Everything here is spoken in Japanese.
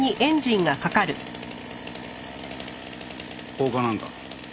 放火なんか？